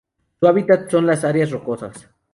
Su hábitat son las áreas rocosas.